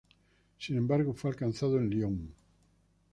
Sin embargo, fue alcanzado en Lyon.